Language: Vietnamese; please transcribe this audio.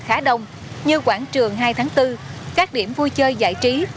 khá đông như quảng trường hai tháng bốn các điểm vui chơi giải trí